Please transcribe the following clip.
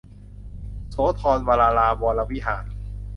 โสธรวรารามวรวิหาร